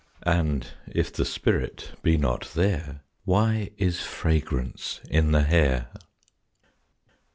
And if the spirit be not there, Why is fragrance in the hair?